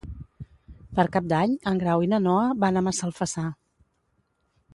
Per Cap d'Any en Grau i na Noa van a Massalfassar.